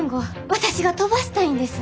私が飛ばしたいんです。